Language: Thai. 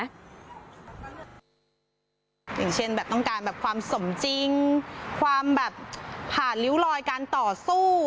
อย่างเช่นแบบต้องการแบบความสมจริงความแบบผ่านริ้วลอยการต่อสู้